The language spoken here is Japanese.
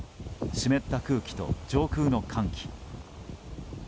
湿った空気と上空の寒気。